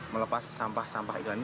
melepas sampah sampah ikan ini